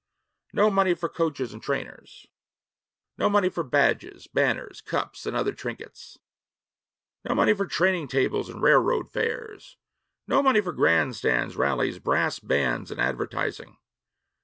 No money for coaches and trainers; no money for badges, banners, cups, and other trinkets; no money for training tables and railroad fares; no money for grandstands, rallies, brass bands, and advertising.